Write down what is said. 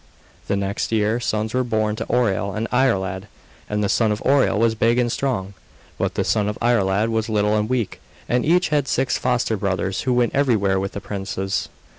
The next year sons were born to Oireal and Iarlaid; and the son of Oireal was big and strong, but the son of Iarlaid was little and weak, and each had six foster brothers who went everywhere with the princes.